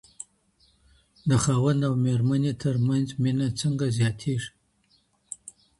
د خاوند او مېرمني تر منځ مينه څنګه زياتيږي؟